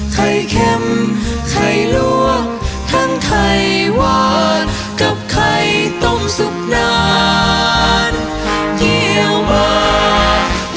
ไข่เข้มไข่ลวกทั้งไข่หวานกับไข่ต้มสุกนานเงียนมา